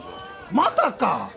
またか！？